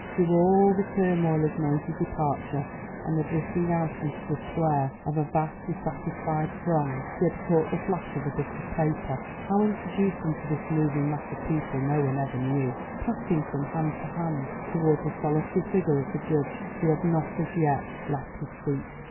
Through all the turmoil of noisy departure and the drifting out into the square of a vast, dissatisfied throng, she had caught the flash of a bit of paper (how introduced into this moving mass of people no one ever knew) passing from hand to hand, towards the solitary figure of the judge who had not as yet left his seat.